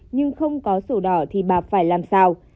nhưng không có sổ đỏ thì bà phải làm sao